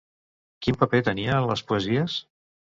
Quin paper tenia en les poesies?